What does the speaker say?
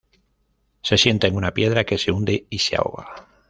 Se sienta en una piedra, que se hunde y se ahoga.